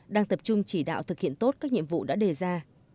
đang tập trung chỉ đạo thực hiện tốt các nhiệm vụ đã đề ra